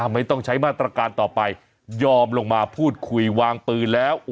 ไม่ต้องใช้มาตรการต่อไปยอมลงมาพูดคุยวางปืนแล้ว